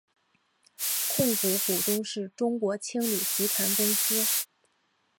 控股股东是中国青旅集团公司。